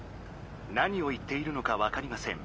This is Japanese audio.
「何を言っているのかわかりません。